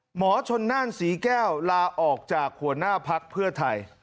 หมอชนน่านศรีแก้วลาออกจากหัวหน้าพักเพื่อไทย